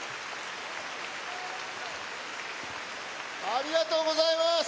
ありがとうございます！